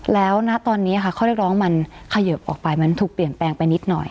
แล้วณตอนนี้ค่ะข้อเรียกร้องมันเขยิบออกไปมันถูกเปลี่ยนแปลงไปนิดหน่อย